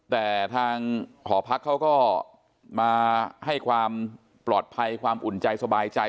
แต่ทางหอพักเขาก็มาให้ความปลอดภัยความอุ่นใจสบายใจ